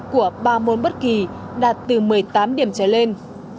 của ba môn bất kỳ đạt từ một mươi tám điểm trở lên